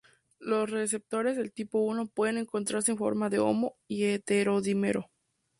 Los receptores de tipo I pueden encontrarse en forma de homo- y heterodímero.